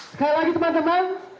sekali lagi teman teman